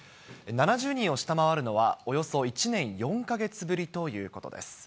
７０人を下回るのはおよそ１年４か月ぶりということです。